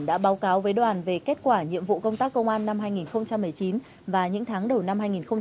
đã báo cáo với đoàn về kết quả nhiệm vụ công tác công an năm hai nghìn một mươi chín và những tháng đầu năm hai nghìn hai mươi